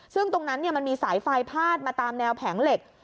ซึ่งตรงนั้นมันมีสายไฟพาดมาตามแนวแผงเหล็ก